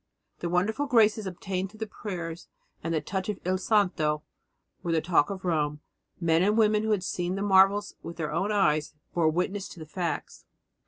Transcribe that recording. The wonderful graces obtained through the prayers and the touch of Il santo were the talk of Rome; men and women who had seen the marvels with their own eyes bore witness to the facts.